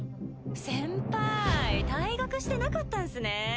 せんぱい退学してなかったんすね。